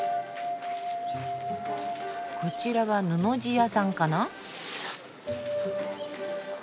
こちらは布地屋さんかな？